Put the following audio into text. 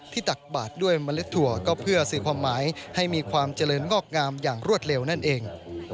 ตักบาดด้วยเมล็ดถั่วก็เพื่อสื่อความหมายให้มีความเจริญงอกงามอย่างรวดเร็วนั่นเอง